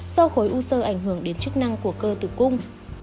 do khối u sơ ảnh hưởng đến chức năng của cơ tử cung